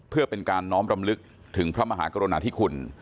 เพื่อเป็นการน้อมรำลึกถึงพระมหากรณาธิคุณ